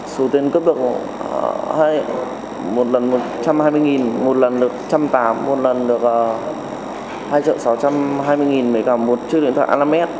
số tiền cấp được một lần một trăm hai mươi một lần được một trăm tám mươi một lần được hai trợ sáu trăm hai mươi một chiếc điện thoại alamed